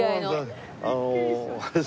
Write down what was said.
あの。